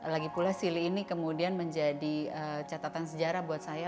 lagipula silly ini kemudian menjadi catatan sejarah buat saya